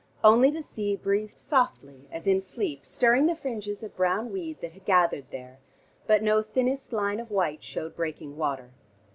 Only the sea breathed softly as in sleep, stirring the fringes of brown weed that had gathered there, but no thinnest line of white showed breaking water.